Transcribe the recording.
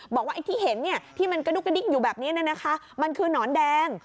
บอกว่าที่เห็นเนี่ยที่มันกระดูกกระดิ้งอยู่แบบนี้นะคะมันคือหนอนแดง